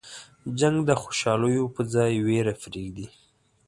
جنګ د خوشحالیو په ځای ویر پرېږدي.